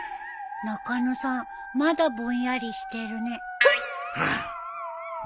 中野さんまだぼんやりしてるね。